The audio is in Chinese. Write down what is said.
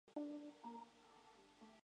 哈巴乌头为毛茛科乌头属下的一个种。